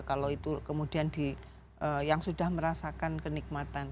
kalau itu kemudian yang sudah merasakan kenikmatan